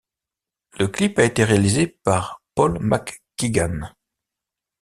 Le clip a été réalisé par Paul McGuigan.